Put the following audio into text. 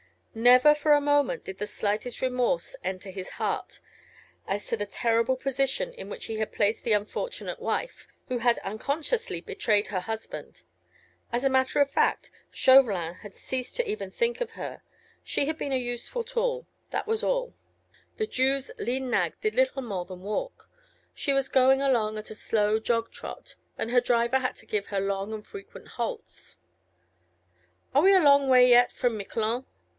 Never for a moment did the slightest remorse enter his heart, as to the terrible position in which he had placed the unfortunate wife, who had unconsciously betrayed her husband. As a matter of fact, Chauvelin had ceased even to think of her: she had been a useful tool, that was all. The Jew's lean nag did little more than walk. She was going along at a slow jog trot, and her driver had to give her long and frequent halts. "Are we a long way yet from Miquelon?"